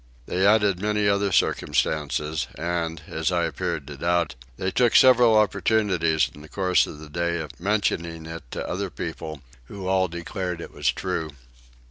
They added many other circumstances and, as I appeared to doubt, they took several opportunities in the course of the day of mentioning it to other people, who all declared it was true.